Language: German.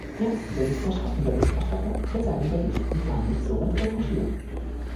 Jetzt bin ich der Schattenberichterstatter für seinen Bericht und kann mich somit revanchieren.